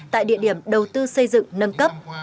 tại địa điểm đầu tư xây dựng nâng cấp